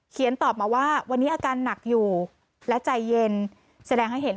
เขียนตอบมาว่าวันนี้อาการหนักอยู่และใจเย็น